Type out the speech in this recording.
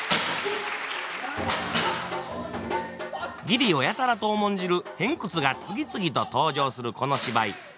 義理をやたらと重んじる偏屈が次々と登場するこの芝居。